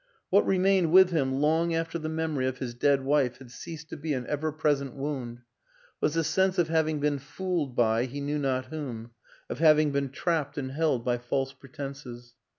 ... What remained with him, long after the memory of his dead wife had ceased to be an ever present wound, was the sense of having been fooled by he knew not whom, of having been trapped and held by false pretenses.